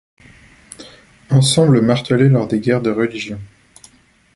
Ensemble martelé lors des guerres de Religion.